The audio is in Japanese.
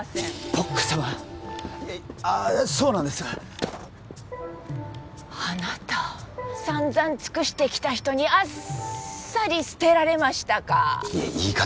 ＰＯＣ様ああそうなんですあなたさんざん尽くしてきた人にあっさり捨てられましたかいや言い方